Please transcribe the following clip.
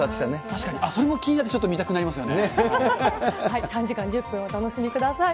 確かに、それも気になって、３時間１０分、お楽しみください。